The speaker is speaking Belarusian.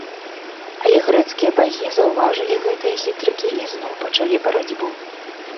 Але грэцкія багі заўважылі гэтыя хітрыкі і зноў пачалі барацьбу.